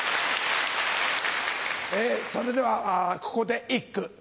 それではここで一句。